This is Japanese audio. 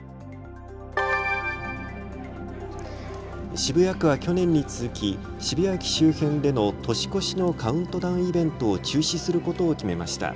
渋谷区は去年に続き渋谷駅周辺での年越しのカウントダウンイベントを中止することを決めました。